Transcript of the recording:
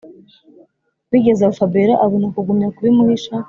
bigezaho fabiora abona kugumya kubimuhisha